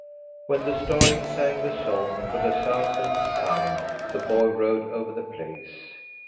When the starling sang the song for the thousandth time, the boy rode over the place.